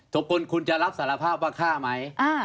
กลคุณจะรับสารภาพว่าฆ่าไหม